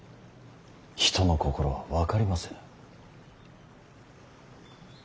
人の心は分かりませぬ。